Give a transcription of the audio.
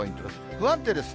不安定です。